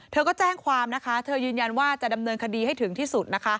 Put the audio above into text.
เธอก็แจ้งความนะคะเธอยืนยันว่าจะดำเนินคดีให้ถึงที่สุดนะคะ